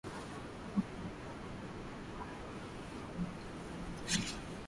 Jimbo la Kwahani ameliongoza kwa miaka kumi na tano